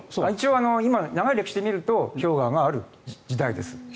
長い歴史で見ると氷河がある時代です。